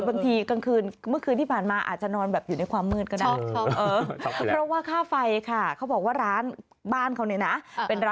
บางทีกลางคืนเมื่อคืนที่ผ่านมาอาจจะนอนแบบอยู่ในความมืดก็ได้